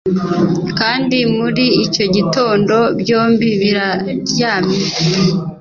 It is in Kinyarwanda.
Kandi muri icyo gitondo byombi biraryamye